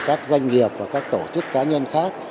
các doanh nghiệp và các tổ chức cá nhân khác